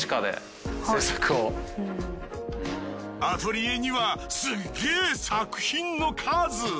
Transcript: アトリエにはすっげぇ作品の数。